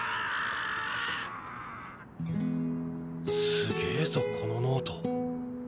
すげえぞこのノート。